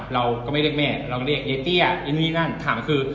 เราก็ไม่เรียกแม่เราก็เรียกไอ้เตี้ยยังงี้ยังงี้นั่นถามคือ